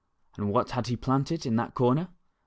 And what had he planted in that corner